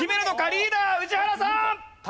リーダー宇治原さん！